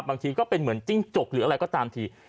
บางทีก็เป็นเหมือนจิ้งจกหรืออะไรก็ตามที